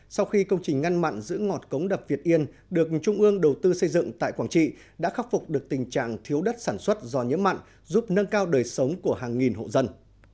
sau khi công trình ngăn mặn giữ ngọt cống đập việt yên được trung ương đầu tư xây dựng tại quảng trị đã khắc phục được tình trạng thiếu đất sản xuất do nhiễm mặn giúp nâng cao đời sống của hàng nghìn hộ dân